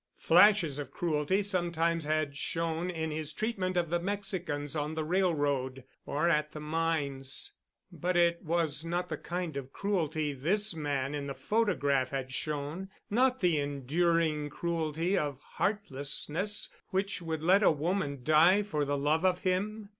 Flashes of cruelty sometimes had shown in his treatment of the Mexicans on the railroad or at the mines, but it was not the kind of cruelty this man in the photograph had shown—not the enduring cruelty of heartlessness which would let a woman die for the love of him.